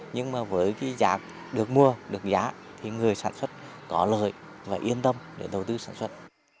nhưng với giá được mua được giá người sản xuất có lợi và yên tâm để đầu tư sản xuất